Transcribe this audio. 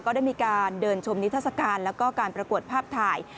ก็ได้มีการเดินชมนิทัศกาลแล้วก็การประกวดภาพถ่าย